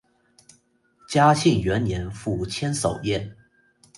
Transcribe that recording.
嘉庆元年赴千叟宴。